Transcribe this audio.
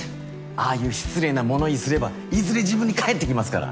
ああいう失礼な物言いすればいずれ自分に返ってきますから。